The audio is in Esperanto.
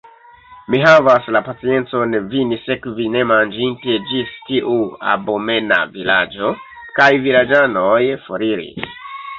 Mi havas la paciencon vin sekvi nemanĝinte, ĝis tiu abomena vilaĝo; kaj vilaĝanoj foriris!